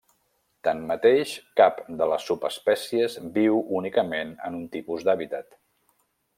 Tanmateix, cap de les subespècies viu únicament en un tipus d'hàbitat.